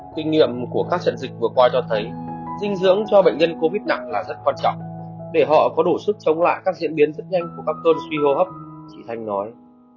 kinh nghiệm của các trận dịch vừa qua cho thấy dinh dưỡng cho bệnh nhân covid nặng là rất quan trọng để họ có đủ sức chống lại các diễn biến rất nhanh của các cơn suy hô hấp chị thanh nói